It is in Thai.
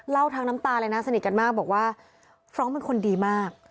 ทั้งน้ำตาเลยนะสนิทกันมากบอกว่าฟรองก์เป็นคนดีมาก